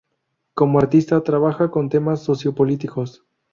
Como artista trabaja con temas socio-políticos.